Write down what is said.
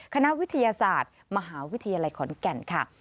คณะวิทยาศาสตร์มหาวิทยาลัยขอนแก่นค่ะ